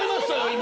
今。